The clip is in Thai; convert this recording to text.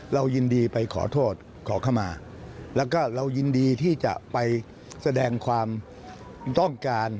เรายินดีไปขอโทษขอเข้ามาแล้วก็เรายินดีที่จะไปแสดงความต้องการ